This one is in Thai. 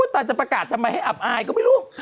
ตาจะประกาศทำไมให้อับอายก็ไม่รู้